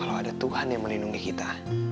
kalau ada tuhan yang melindungi kita